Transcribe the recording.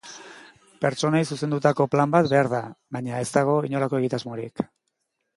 Pertsonei zuzendutako plan bat behar da, baina ez dago inolako egitasmorik.